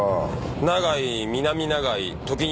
長井南長井時庭